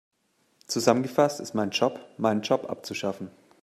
Zusammengefasst ist mein Job, meinen Job abzuschaffen.